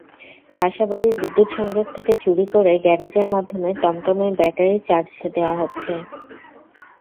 বাসাবাড়ির বিদ্যুৎ-সংযোগ থেকে চুরি করে গ্যারেজের মাধ্যমে টমটমের ব্যাটারি চার্জ দেওয়া হচ্ছে।